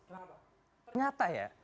kenapa ternyata ya